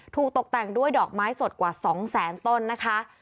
ถูกตกแต่งด้วยดอกไม้สดกว่า๒๐๐๐๐๐ต้นนะคะ